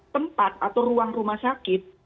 tempat atau ruang rumah sakit